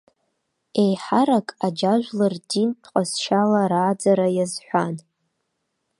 Еиҳарак аџьажәлар динтә ҟазшьала рааӡара иазҳәан.